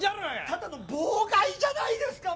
ただの妨害じゃないですか！